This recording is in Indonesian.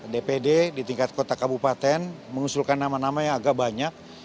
dpd di tingkat kota kabupaten mengusulkan nama nama yang agak banyak